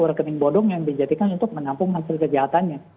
rekening bodong yang dijadikan untuk menampung hasil kejahatannya